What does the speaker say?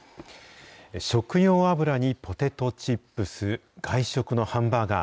食用油にポテトチップス、外食のハンバーガー。